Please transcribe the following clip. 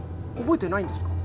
覚えてないんですか？